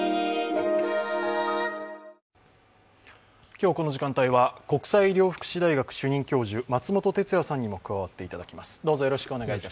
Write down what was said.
今日、この時間帯は国際医療福祉大学主任教授松本哲哉さんにも加わっていただきます。